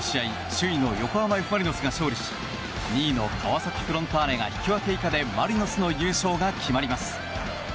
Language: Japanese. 首位の横浜・Ｆ・マリノスが勝利し２位の川崎フロンターレが引き分け以下でマリノスの優勝が決まります。